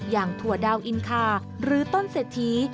ถั่วดาวอินคาหรือต้นเศรษฐี